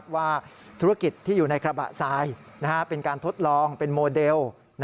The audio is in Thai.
ว่าธุรกิจที่อยู่ในกระบะทรายเป็นการทดลองเป็นโมเดล